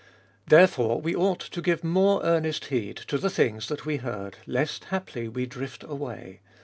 Therefore we ought to give more earnest1 heed to the things that were heard lest haply we drift away.